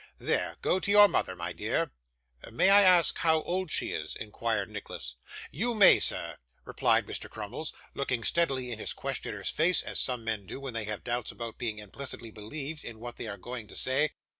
There; go to your mother, my dear.' 'May I ask how old she is?' inquired Nicholas. 'You may, sir,' replied Mr. Crummles, looking steadily in his questioner's face, as some men do when they have doubts about being implicitly believed in what they are going to say.